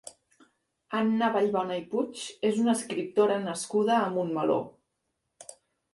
Anna Ballbona i Puig és una escriptora nascuda a Montmeló.